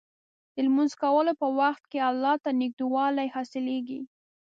د لمونځ کولو په وخت کې الله ته نږدېوالی حاصلېږي.